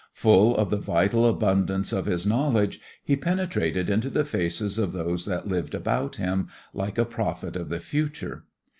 Full of the vital abundance of his knowledge, he penetrated into the faces of those that lived about him, like a prophet of the future.